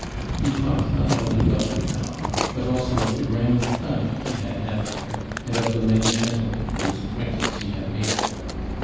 He talked not only of the town, but also of the grand time he had had there, and of the many gentlemen whose acquaintance he had made there.